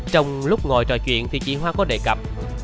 trong lúc ngồi trò chuyện thì chị hoa có đề cập